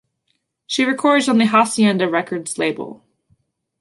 She records on the Hacienda Records label.